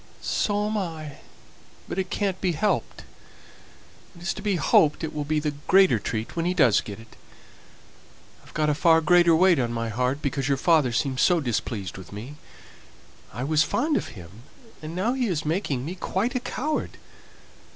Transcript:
"So am I, but it can't be helped. It is to be hoped it will be the greater treat when he does get it. I've a far greater weight on my heart, because your father seems so displeased with me. I was fond of him, and now he is making me quite a coward.